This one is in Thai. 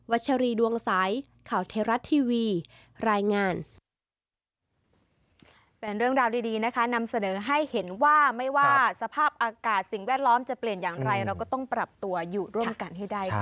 วัชรีดวงสายข่าวเทราะทีวีรายงาน